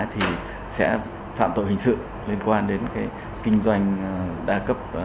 thì sẽ phạm tội hình sự liên quan đến cái kinh doanh đa cấp